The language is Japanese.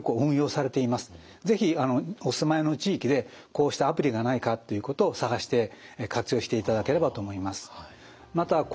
是非お住まいの地域でこうしたアプリがないかということを探して活用していただければと思います。